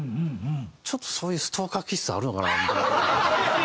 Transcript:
ちょっとそういうストーカー気質あるのかなみたいな。